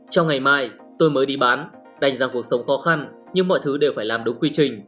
trong ngày mai tôi mới đi bán đánh giá cuộc sống khó khăn nhưng mọi thứ đều phải làm đúng quy trình